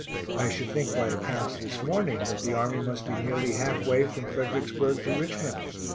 I should think by accounts this morning that the army must be nearly half way from Fredericksburg to Richmond.